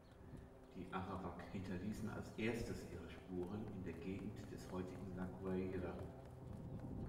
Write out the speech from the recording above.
Die Arawak hinterließen als erstes ihre Spuren in der Gegend des heutigen La Guaira.